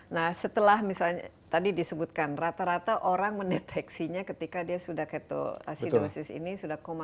nah setelah misalnya tadi disebutkan rata rata orang mendeteksinya ketika dia sudah ketoasidosis ini